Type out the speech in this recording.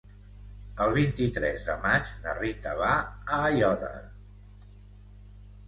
El vint-i-tres de maig na Rita va a Aiòder.